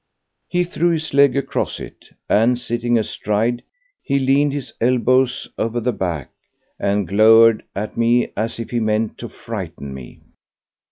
He threw his leg across it, and, sitting astride, he leaned his elbows over the back and glowered at me as if he meant to frighten me.